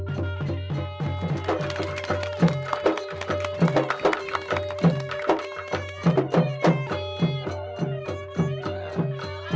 มะพร้าวอ่อนมะพร้าวอ่อน